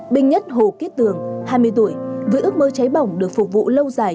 bình nhất hồ kiết tường hai mươi tuổi với ước mơ cháy bỏng được phục vụ lâu dài